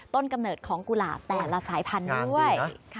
กำเนิดของกุหลาบแต่ละสายพันธุ์ด้วย